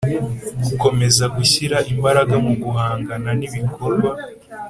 Gukomeza gushyira imbaraga mu guhangana n ibikorwa